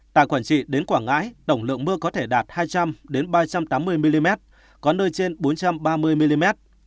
tại quảng trị đến quảng ngãi tổng lượng mưa có thể đạt hai trăm linh ba trăm tám mươi mm có nơi trên bốn trăm ba mươi mm